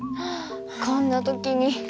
こんな時に。